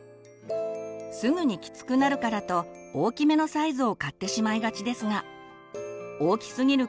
すぐにきつくなるからと大きめのサイズを買ってしまいがちですが大きすぎる